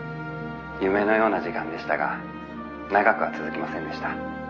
夢のような時間でしたが長くは続きませんでした。